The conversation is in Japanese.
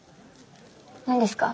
何ですか？